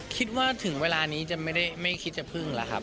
คิดว่าถึงเวลานี้ไม่คิดจะพึ่งหรือครับ